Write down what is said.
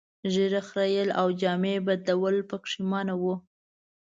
ږیره خرییل او جامې بدلول پکې منع وو.